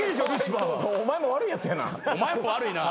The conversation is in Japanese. お前も悪いやつやな。